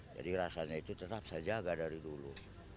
jadi rasanya itu tetap saya jaga dari dulu